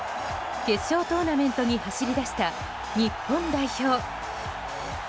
決勝トーナメントに走り出した日本代表。